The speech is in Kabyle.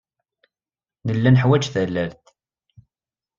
Nella neḥwaj tallalt.